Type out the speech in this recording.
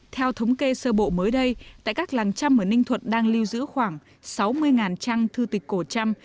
theo thống kê sơ bộ mới đây tại các làng trăm ở ninh thuận đang lưu giữ khoảng sáu mươi trang thư tịch cổ trăm